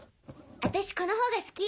私このほうが好き。